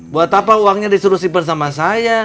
buat apa uangnya disuruh siper sama saya